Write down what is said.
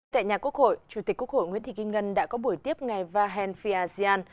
tại nhà quốc hội chủ tịch quốc hội nguyễn thị kim ngân đã có buổi tiếp ngày vahen fiajian